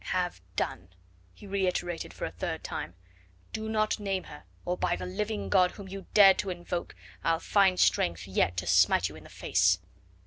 "Have done," he reiterated for the third time; "do not name her, or by the living God whom you dared to invoke I'll find strength yet to smite you in the face."